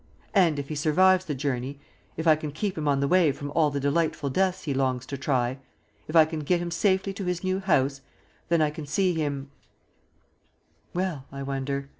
And if he survives the journey; if I can keep him on the way from all the delightful deaths he longs to try; if I can get him safely to his new house, then I can see him Well, I wonder.